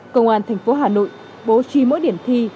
công an thành phố hà nội bố trí mỗi điểm thi